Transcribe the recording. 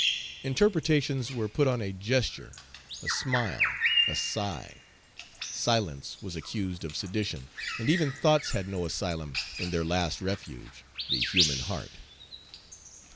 Interpretations were put on a gesture, a smile, a sigh; silence was accused of sedition, and even thoughts had no asylum in their last refuge, the human heart.